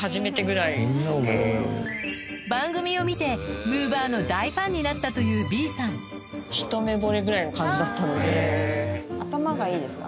でも番組を見てむぅばあの大ファンになったというＢさん・頭がいいですか？